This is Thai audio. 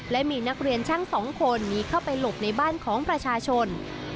และมีนักเรียนช่าง๒คนนี้เข้าไปหลบในบ้านของประชาชน